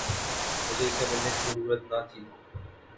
مجھے اسے ملنے کی ضرورت نہ تھی